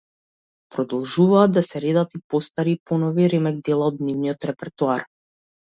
Продолжуваат да се редат и постари и понови ремек дела од нивниот репертоар.